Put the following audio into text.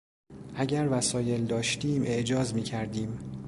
اگر وسایل داشتیم اعجاز میکردیم.